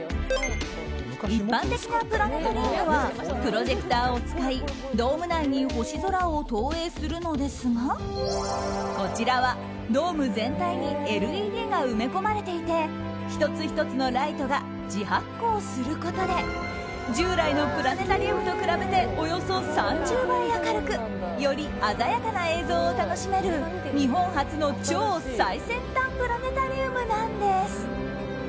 一般的なプラネタリウムはプロジェクターを使いドーム内に星空を投影するのですがこちらはドーム全体にＬＥＤが埋め込まれていて１つ１つのライトが自発光することで従来のプラネタリウムと比べておよそ３０倍明るくより鮮やかな映像を楽しめる日本初の超最先端プラネタリウムなんです。